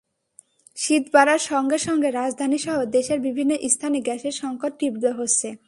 শীত বাড়ার সঙ্গে সঙ্গে রাজধানীসহ দেশের বিভিন্ন স্থানে গ্যাসের সংকট তীব্র হচ্ছে।